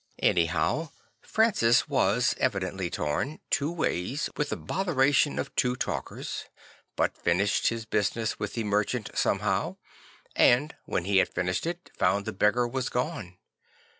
Anyhow 44 St. Francis of Assisi Francis was evidently torn two ways with the botheration of two talkers, but finished his business with the merchant somehow; and when he had finished it, found the beggar was gone.